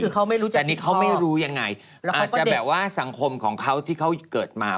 แต่นี่เขาไม่รู้ยังไงอาจจะแบบว่าสังคมของเขาที่เขาเกิดมา